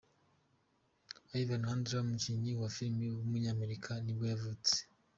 Evan Handler, umukinnyi wa filime w’umunyamerika nibwo yavutse.